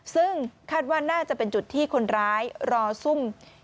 ซึ่งคาดว่าน่าจะเป็นจุดที่คนร้ายรอซุ่ม